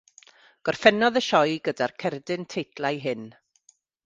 Gorffennodd y sioe gyda'r cerdyn teitlau hyn.